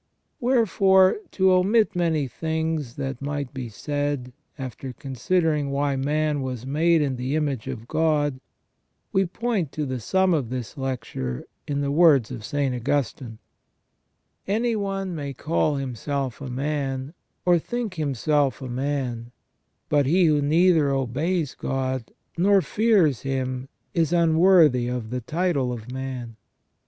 * Wherefore, to omit many things that might be said, after con sidering why man was made in the image of God, we point the sum of this lecture in the words of St. Augustine :" Any one may call himself a man, or think himself a man, but he who neither obeys God nor fears Him is unworthy the title of man